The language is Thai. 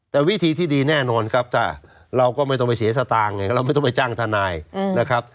แต่วิธีที่ดีแน่นอนครับถ้าเราก็ไม่ต้องไปเสียสตางค์ไงเราไม่ต้องไปจ้างทนายนะครับ